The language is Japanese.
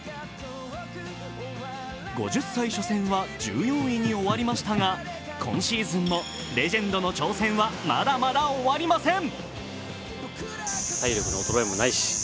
５０歳初戦は１４に終わりましたが今シーズンもレジェンドの挑戦はまだまだ終わりません。